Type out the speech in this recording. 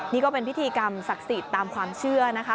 นี่ก็เป็นพิธีกรรมศักดิ์สิทธิ์ตามความเชื่อนะคะ